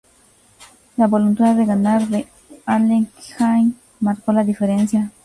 La voluntad de ganar de Alekhine marcó la diferencia.